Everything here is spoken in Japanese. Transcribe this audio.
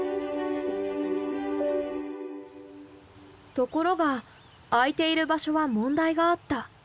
ところが空いている場所は問題があった。